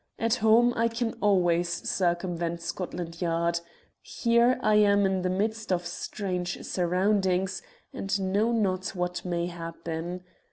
At home I can always circumvent Scotland Yard; here I am in the midst of strange surroundings, and know not what may happen.